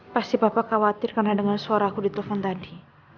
pasti bapak khawatir karena dengan suara aku di telepon tadi